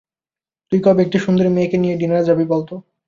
তুই কবে একটা সুন্দরী মেয়েকে নিয়ে ডিনারে যাবি বলত?